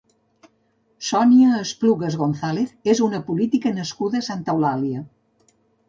Sonia Esplugas González és una política nascuda a Santa Eulàlia.